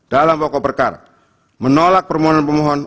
dalam pokok perkara menolak permohonan pemohon